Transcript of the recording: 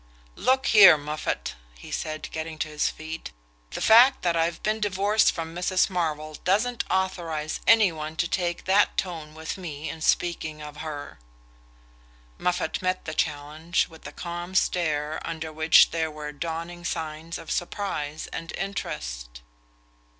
"Look here, Moffatt," he said, getting to his feet, "the fact that I've been divorced from Mrs. Marvell doesn't authorize any one to take that tone to me in speaking of her." Moffatt met the challenge with a calm stare under which there were dawning signs of surprise and interest.